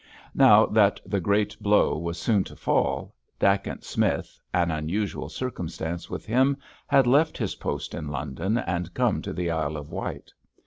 Now that the great blow was so soon to fall, Dacent Smith—an unusual circumstance with him—had left his post in London and come to the Isle of Wight.